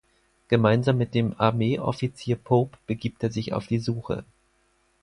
Gemeinsam mit dem Armeeoffizier Pope begibt er sich auf die Suche.